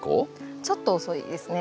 ちょっと遅いですね。